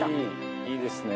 いいですね。